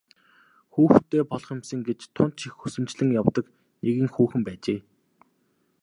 Хүүхэдтэй болох юмсан гэж тун ч их хүсэмжлэн явдаг нэгэн хүүхэн байжээ.